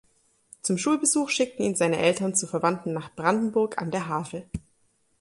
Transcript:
Zum Schulbesuch schickten ihn seine Eltern zu Verwandten nach Brandenburg an der Havel.